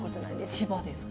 千葉ですか。